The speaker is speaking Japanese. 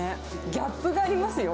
ギャップがありますよ。